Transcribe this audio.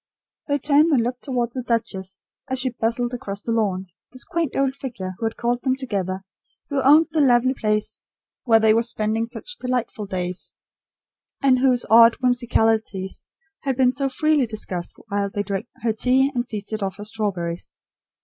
They turned and looked towards the duchess as she bustled across the lawn; this quaint old figure, who had called them together; who owned the lovely place where they were spending such delightful days; and whose odd whimsicalities had been so freely discussed while they drank her tea and feasted off her strawberries.